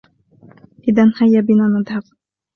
إذاً هيا بنا نذهب.